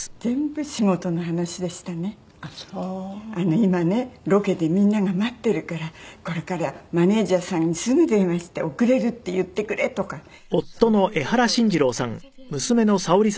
「今ねロケでみんなが待ってるからこれからマネジャーさんにすぐ電話して遅れるって言ってくれ！」とかそういう事をよく度々ありました。